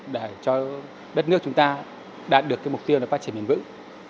để cho đất nước chúng ta đạt được mục tiêu phát triển miền vững